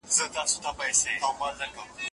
شرعیاتو پوهنځۍ له اجازې پرته نه کارول کیږي.